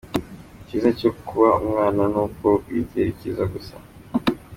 Icyiza cyo kuba umwana ni uko wizera icyiza gusa.